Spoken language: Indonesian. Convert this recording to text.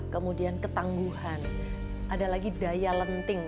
kemudian ketangguhan ada lagi daya lenting